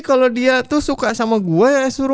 kalo dia tuh suka sama gua ya suruh